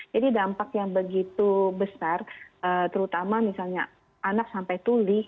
jadi dampak yang begitu besar terutama misalnya anak sampai tuli